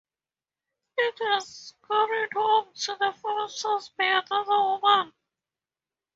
It was carried home to the farmer's house by another woman.